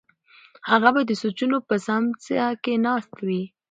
هغه به د سوچونو په سمڅه کې ناست وي.